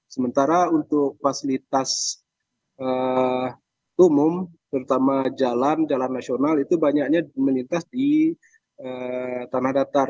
sementara untuk fasilitas umum terutama jalan jalan nasional itu banyaknya melintas di tanah datar